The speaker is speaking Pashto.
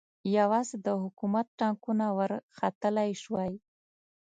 یوازې د حکومت ټانګونه ورختلای شوای.